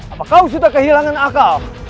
apa kau sudah kehilangan akal